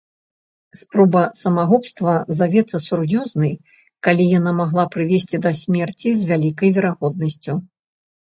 Спроба самагубства завецца сур'ёзнай, калі яна магла прывесці да смерці з вялікай верагоднасцю.